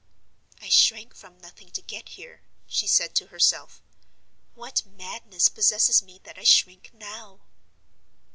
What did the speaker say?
"I shrank from nothing to get here," she said to herself. "What madness possesses me that I shrink now?"